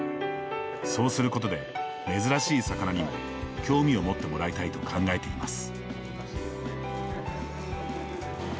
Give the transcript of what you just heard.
そうすることで、珍しい魚にも興味を持ってもらいたいと考えています。